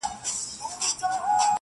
خدایه چي بیا به کله اورو کوچيانۍ سندري،